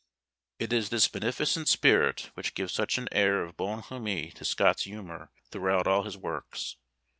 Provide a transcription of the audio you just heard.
It is this beneficent spirit which gives such an air of bonhomie to Scott's humor throughout all his works.